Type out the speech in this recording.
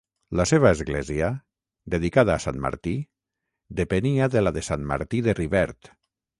La seva església, dedicada a sant Martí, depenia de la de Sant Martí de Rivert.